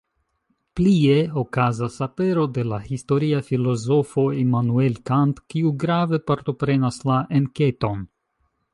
Plie okazas apero de la historia filozofo Immanuel Kant, kiu grave partoprenas la enketon.